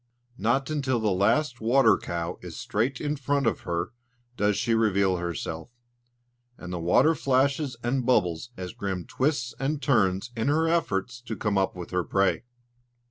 Not until the last "water cow" is straight in front of her does she reveal herself; and the water flashes and bubbles as Grim twists and turns in her efforts to come up with her prey.